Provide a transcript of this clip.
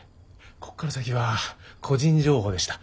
ここから先は個人情報でした。